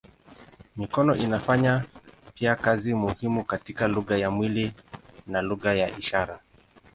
Mikono inafanya pia kazi muhimu katika lugha ya mwili na lugha ya ishara.